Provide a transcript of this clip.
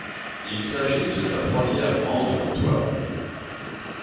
Il s'agit de sa première grande victoire.